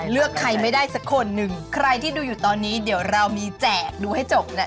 เลือกใครไม่ได้สักคนหนึ่งใครที่ดูอยู่ตอนนี้เดี๋ยวเรามีแจกดูให้จบแหละ